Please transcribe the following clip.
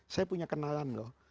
saya punya kenalan loh